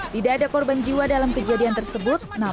tidak ada korban jiwa dalam kejadian tersebut